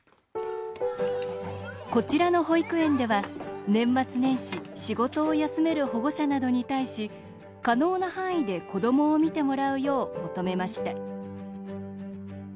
こちらの保育園では、年末年始仕事を休める保護者などに対し可能な範囲で子どもを見てもらうよう求めました。